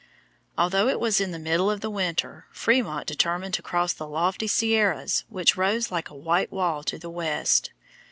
Although it was the middle of the winter, Frémont determined to cross the lofty Sierras which rose like a white wall to the west.